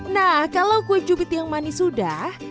nah kalau kue jubit yang manis sudah